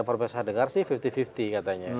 kalau bahasa saya dengar sih lima puluh lima puluh katanya